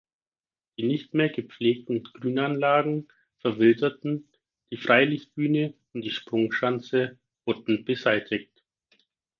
Die nicht mehr gepflegten Grünanlagen verwilderten, die Freilichtbühne und die Sprungschanze wurden beseitigt.